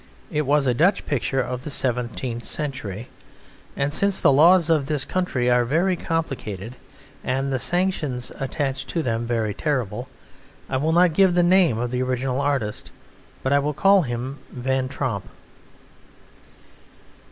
It was a Dutch picture of the seventeenth century; and since the laws of this country are very complicated and the sanctions attached to them very terrible, I will not give the name of the original artist, but I will call him Van Tromp.